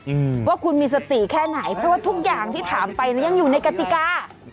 อืมว่าคุณมีสติแค่ไหนเพราะว่าทุกอย่างที่ถามไปน่ะยังอยู่ในกติกา